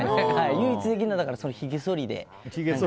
唯一できるのは、ひげそりで。